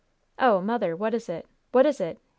"Oh, mother! what is it? What is it?